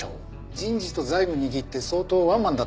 人事と財務握って相当ワンマンだったからねえ。